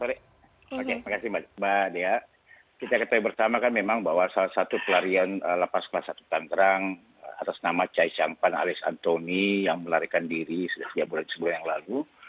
terima kasih mbak dea kita ketahui bersama kan memang bahwa salah satu pelarian lapas kelas satu tantrang atas nama cai cangpan alis antoni yang melarikan diri sejak bulan sebelum yang lalu